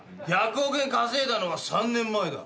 １００億円稼いだのは３年前だ。